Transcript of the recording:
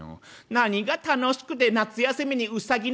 何が楽しくて夏休みにウサギの」。